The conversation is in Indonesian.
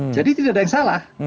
jadi tidak ada yang salah